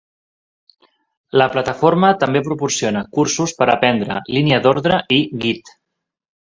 La plataforma també proporciona cursos per aprendre línia d'ordre i Git.